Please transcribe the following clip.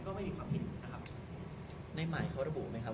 ก็ไม่มีความผิดนะครับในใหม่เขาระบุไหมครับ